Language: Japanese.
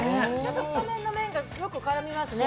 太麺の麺がよく絡みますね。